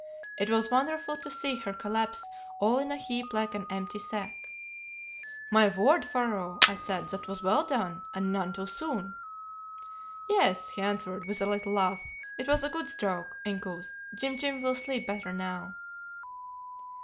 It was wonderful to see her collapse all in a heap like an empty sack. "'My word, Pharaoh!' I said, 'that was well done, and none too soon.' "'Yes,' he answered, with a little laugh, 'it was a good stroke, Inkoos. Jim Jim will sleep better now.